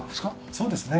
そうですね。